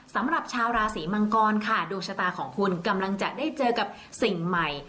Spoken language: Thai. สำหรับชาวราศีมังกรค่ะดวงชะตาของคุณกำลังจะได้เจอกับสิ่งใหม่